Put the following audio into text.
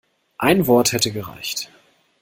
Ein Wort hätte gereicht.